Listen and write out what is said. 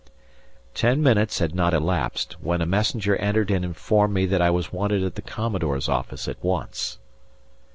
Ten minutes had not elapsed, when a messenger entered and informed me that I was wanted at the Commodore's office at once.